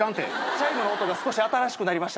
チャイムの音が少し新しくなりました。